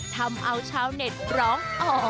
ทำเอาชาวเน็ตร้องอ๋อ